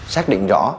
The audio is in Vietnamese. xác định rõ